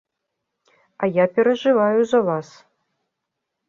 А я перажываю за вас.